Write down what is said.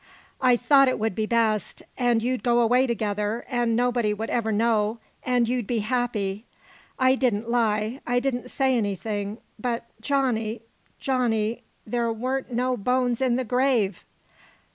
I thought it would be best, an' you'd go away together, an' nobody would ever know, an' you'd be happy. I didn't lie. I didn't say anything. But Johnny Johnny, _there weren't no bones in the grave!